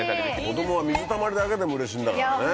子どもは水たまりだけでもうれしいんだからね。